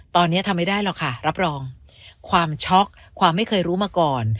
ตอนนี้ทำไม่ได้หรอกค่ะรับรองความช็อกความไม่เคยรู้มาก่อน